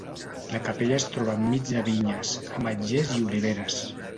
La capella es troba enmig de vinyes, ametllers i oliveres.